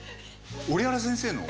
折原先生の？